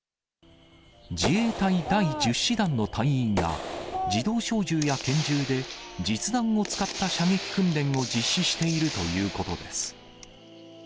自衛隊第１０師団の隊員が、自動小銃や拳銃で実弾を使った射撃訓練を実施しているということです。